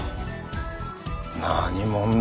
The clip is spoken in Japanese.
何者だ？